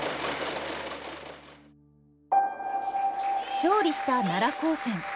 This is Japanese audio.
勝利した奈良高専。